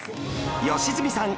良純さん